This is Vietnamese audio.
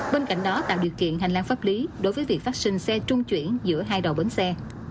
bên cạnh đó tạo điều kiện hành lang pháp lý đối với việc phát sinh xe trung chuyển giữa hai đầu bến xe